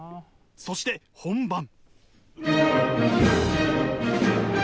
そして本番。